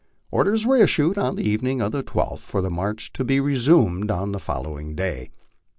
Orders were issued on the evening of the 12th for the march to be resumed en the following day.